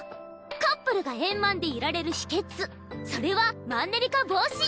カップルが円満でいられる秘けつそれはマンネリ化防止！